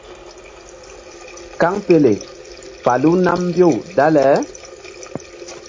Kaŋpele falu nam mbew dale.